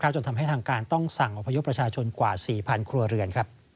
จนทำให้ทางการต้องสั่งอพยพประชาชนกว่า๔๐๐ครัวเรือน